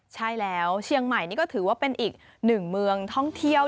ใช่แล้วเชียงใหม่นี่ก็ถือว่าเป็นอีกหนึ่งเมืองท่องเที่ยว